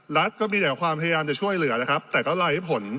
รัฐก็มีแต่ความพยายามจะช่วยเหลือนะครับแต่ก็ไร้ผล